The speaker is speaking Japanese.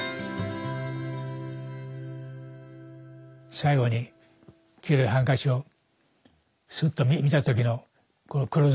最後に黄色いハンカチをスッと見た時のクローズアップね。